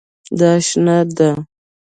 دا شنه ده